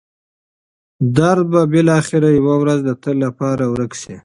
درد به بالاخره یوه ورځ د تل لپاره ورک شي.